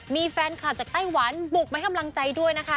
มีแฟนคลับจากไต้หวันบุกไปให้กำลังใจด้วยนะคะ